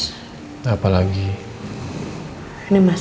iya tapi sebelum itu ada yang pengen aku hubungin sih mas